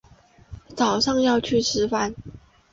早上要去吃饭